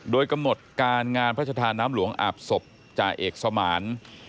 โดยกำหนดการงานพระชาธาน้ำหลวงอาบศพจ่าเอกสมาน